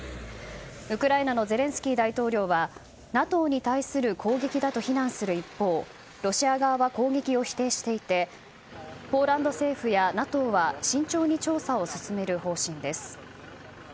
ウクライナのゼレンスキー大統領はＮＡＴＯに対する攻撃だと非難する一方ロシア側は攻撃を否定していてポーランド政府やＮＡＴＯは慎重に調査を進める方針です。